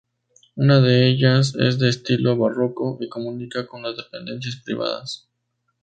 Una de ellas es de estilo barroco y comunica con las dependencias privadas.